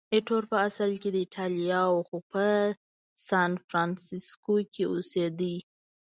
ایټور په اصل کې د ایټالیا و، خو په سانفرانسیسکو کې اوسېده.